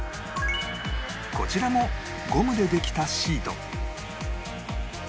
こちらもゴムでできたシート